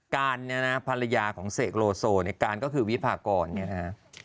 การเนี่ยนะภรรยาของเสกโลโซเนี่ยการก็คือวิพากรเนี่ยนะฮะ